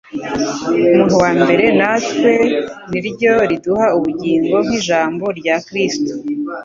umuntu wa mbere natwe niryo riduha ubugingo; nk'ijambo rya Kristo: